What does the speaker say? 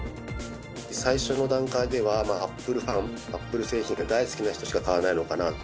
最初の段階ではアップルファン、アップル製品が大好きな人しか買わないのかなと。